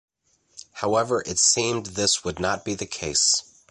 However it seemed this would not be the case.